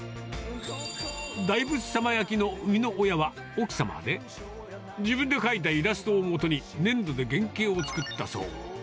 大仏さま焼きの生みの親は奥様で、自分で描いたイラストをもとに、粘土で原型を作ったそう。